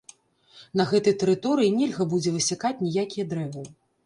На гэтай тэрыторыі нельга будзе высякаць ніякія дрэвы.